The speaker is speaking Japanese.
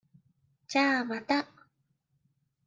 じゃあ、また。